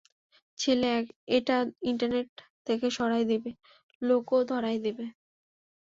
ছেলে এটা ইন্টারনেট থেকে সরায় দিবে, লোকও ধরায় দিবে।